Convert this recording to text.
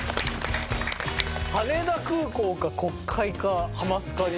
羽田空港か国会か『ハマスカ』になる。